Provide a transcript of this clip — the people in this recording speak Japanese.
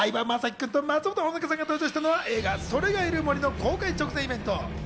相葉雅紀君と松本穂香さんが登場したのは映画『“それ”がいる森』の公開直前イベント。